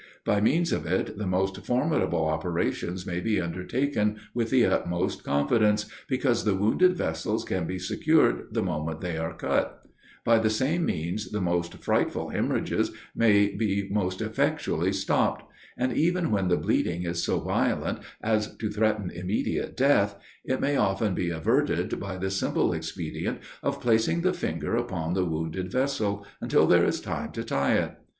By means of it the most formidable operations may be undertaken with the utmost confidence, because the wounded vessels can be secured the moment they are cut: by the same means the most frightful hemorrhages may be most effectually stopped: and even when the bleeding is so violent as to threaten immediate death, it may often be averted by the simple expedient of placing the finger upon the wounded vessel, until there is time to tie it.